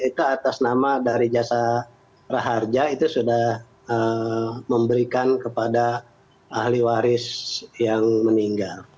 itu atas nama dari jasa raharja itu sudah memberikan kepada ahli waris yang meninggal